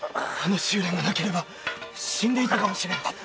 あの修練がなければ死んでいたかもしれん。